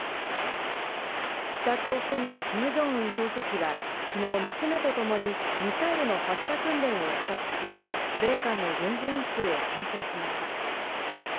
北朝鮮のキム・ジョンウン総書記は昨日、娘とともにミサイルの発射訓練を視察し、米韓の軍事演習を牽制しました。